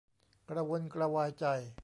กระวนกระวายใจ